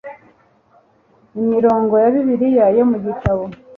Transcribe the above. Imirongo ya Bibiliya yo mu gitabo